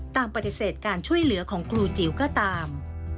ปฏิเสธการช่วยเหลือของครูจิ๋วก็ตาม